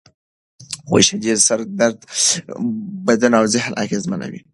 شدید سر درد بدن او ذهن اغېزمنوي.